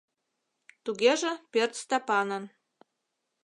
Тугеже пӧрт Стапанын.